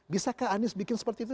bisakah anies bikin seperti itu